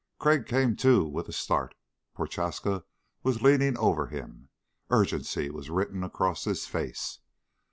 Crag came to with a start Prochaska was leaning over him. Urgency was written across his face.